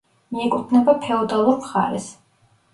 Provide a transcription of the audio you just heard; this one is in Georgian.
მიეკუთვნება ფედერალურ მხარეს.